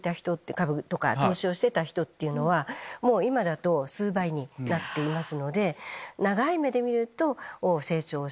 株とか投資をしてた人は今だと数倍になっていますので。